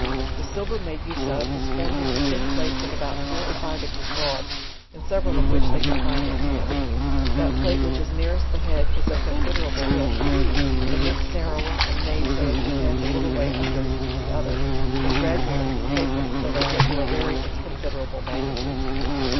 The silver made use of, is formed into thin plates of about four cr five inches broad, in several of which they confine their hair. That plate which is nearest the head is of considerable width; the next narrower, and made so as to pass a little way under the other, and gradually tapering till they get to a very iri . considerable magnitude